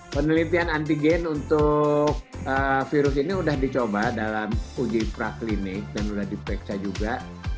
penelitian antigen untuk virus ini sudah dicoba dalam uji praklinik dan sudah diperiksa juga